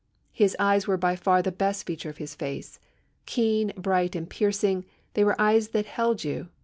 His eyes were by far the best feature of his face. Keen, bright, and piercing, they were eyes that held you.